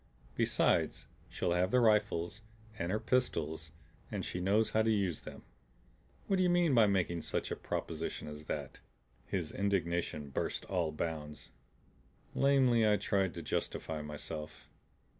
"Besides, she'll have the rifles and her pistols, and she knows how to use them. What d'ye mean by making such a proposition as that?" His indignation burst all bounds. Lamely I tried to justify myself.